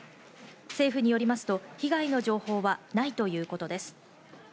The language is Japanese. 政府によりますと被害の情報はないということです。